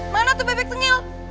mana tuh bebek tengil